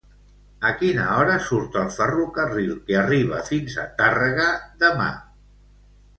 A quina hora surt el ferrocarril que arriba fins a Tàrrega demà?